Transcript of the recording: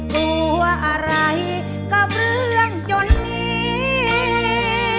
ตัวอะไรกับเรื่องจนนี้